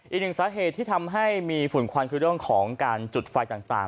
อีกหนึ่งสาเหตุที่ทำให้มีฝุ่นควันคือเรื่องของการจุดไฟต่าง